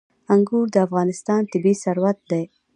انګور د افغانستان طبعي ثروت دی.